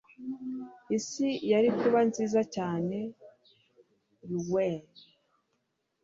isi yari kuba nziza cyane. - lu wei